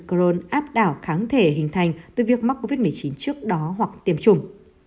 rone áp đảo kháng thể hình thành từ việc mắc covid một mươi chín trước đó hoặc tiêm chủng